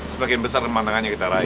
semakin besar tempat tangannya kita raih